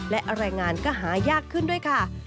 และแรงงานก็หายากขึ้นด้วยค่ะ